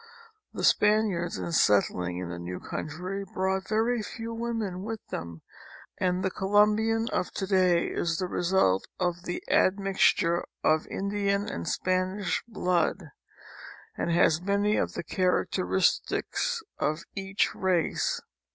The Spaniards in settling in the new country brought very few women with them and the Colombian of to day is the result of the admixture of the Indian and Spanish blood, and has many of the chai'acteristics of each race.